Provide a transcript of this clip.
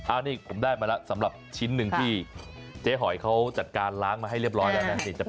อันนี้ผมได้มาแล้วสำหรับชิ้นหนึ่งที่เจ๊หอยเขาจัดการล้างมาให้เรียบร้อยแล้วนะ